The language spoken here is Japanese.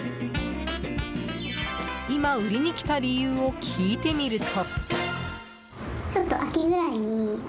今、売りに来た理由を聞いてみると。